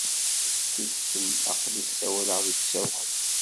Ssusem aql-i ssawaleɣ deg usawal.